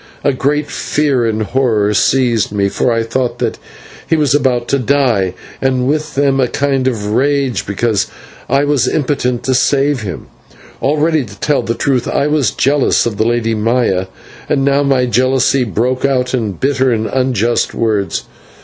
A great fear and horror seized me, for I thought that he was about to die, and with them a kind of rage because I was impotent to save him. Already, to tell the truth, I was jealous of the Lady Maya, and now my jealousy broke out in bitter and unjust words.